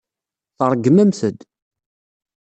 Tṛeggmemt-d.